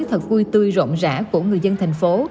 thật vui tươi rộng rãi của người dân thành phố